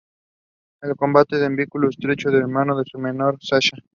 Él comparte un vínculo estrecho de hermanos con su hermana menor, Sasha.